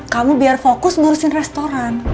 kamu biar fokus ngurusin restoran